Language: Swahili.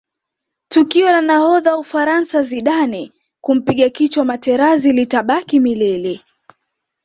tukio la nahodha wa ufaransa zidane kumpiga kichwa materazi litabaki milele